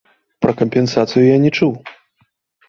Пра кампенсацыю я не чуў.